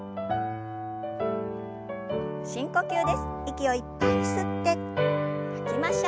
深呼吸です。